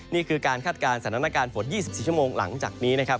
นี่คือการคาดการณ์สถานการณ์ฝน๒๔ชั่วโมงหลังจากนี้นะครับ